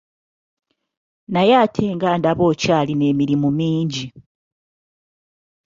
Naye ate nga ndaba okyalina emirimu mingi.